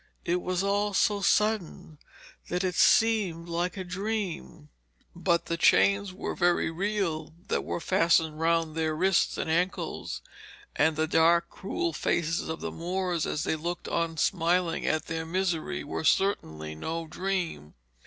It was all so sudden that it seemed like a dream. But the chains were very real that were fastened round their wrists and ankles, and the dark cruel faces of the Moors as they looked on smiling at their misery were certainly no dream.